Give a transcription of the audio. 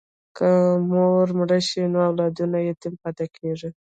که مور مړه شي نو اولاد یې یتیم پاتې کېږي.